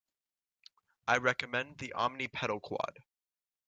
I recommend the Omni pedal Quad.